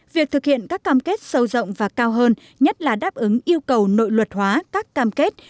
việc thực hiện các cam kết sâu rộng và cao hơn nhất là đáp ứng yêu cầu nội luật hóa các cam kết